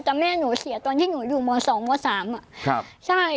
แต่แม่หนูเสียตอนที่หนูอยู่มสองมสามอ่ะครับใช่